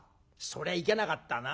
「そりゃいけなかったな。